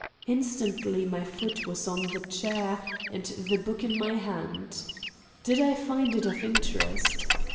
Instantly my foot was on the chair and the book in my hand. Did I find it of interest?